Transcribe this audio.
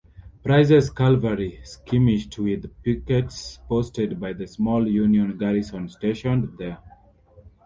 Price's cavalry skirmished with pickets posted by the small Union garrison stationed there.